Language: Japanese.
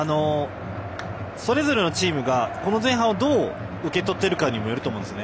それぞれのチームがこの前半をどう受け取っているかにもよると思うんですね。